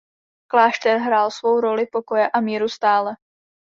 Klášter hrál svou roli pokoje a míru stále.